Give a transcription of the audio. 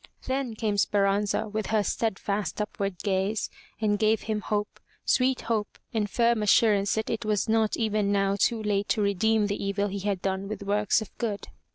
Then came Speranza with her stead fast upward gaze, and gave him hope, sweet hope and firm assur ance that it was not even now too late to redeem the evil he had done with works of good.